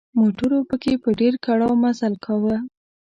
موټرو پکې په ډېر کړاو مزل کاوه.